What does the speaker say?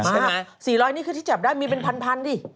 ใช่๔๐๐นี่คือที่จับได้มีเป็นพันดิ